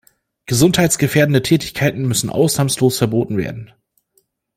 Gesundheitsgefährdende Tätigkeiten müssen ausnahmslos verboten werden.